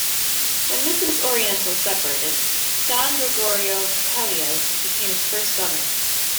When Misamis Oriental separated, Don Gregorio Pelaez became its first governor.